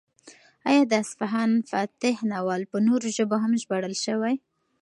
ایا د اصفهان فاتح ناول په نورو ژبو هم ژباړل شوی؟